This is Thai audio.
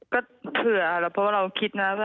ก็เผื่ออะเพราะว่าเราคิดนะ